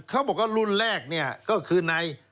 เขาบอกว่ารุ่นแรกเนี่ยก็คือใน